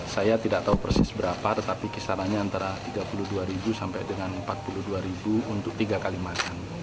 saya tidak tahu persis berapa tetapi kisarannya antara rp tiga puluh dua sampai dengan rp empat puluh dua untuk tiga kali makan